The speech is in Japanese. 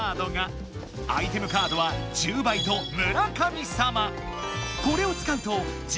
アイテムカードは「１０倍」と「村神様」。